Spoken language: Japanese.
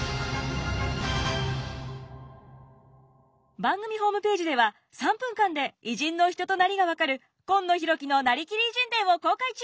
番組ホームページでは３分間で偉人の人となりが分かる「今野浩喜のなりきり偉人伝」を公開中！